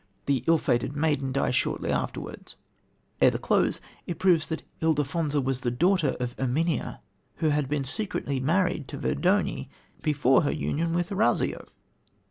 The ill fated maiden dies shortly afterwards. Ere the close it proves that Ildefonsa was the daughter of Erminia, who had been secretly married to Verdoni before her union with Orazio.